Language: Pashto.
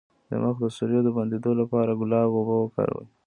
د مخ د سوریو د بندولو لپاره د ګلاب اوبه وکاروئ